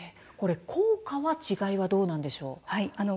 効果や違いはどうなんでしょうか。